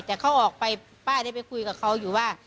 แต่เขาออกไปป้าได้ไปคุยกับเขาอยู่ว่า